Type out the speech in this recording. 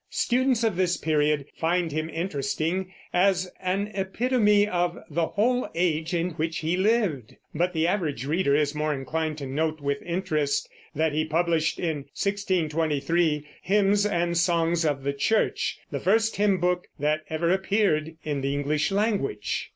Students of this period find him interesting as an epitome of the whole age in which he lived; but the average reader is more inclined to note with interest that he published in 1623 Hymns and Songs of the Church, the first hymn book that ever appeared in the English language.